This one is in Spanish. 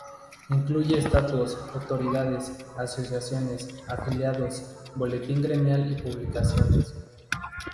Incluye estatutos, autoridades, asociaciones, afiliados, boletín gremial y publicaciones.